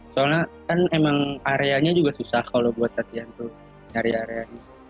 karena kan memang area nya juga susah kalau buat latihan tuh nyari area nya